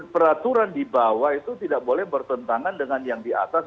peraturan di bawah itu tidak boleh bertentangan dengan yang di atas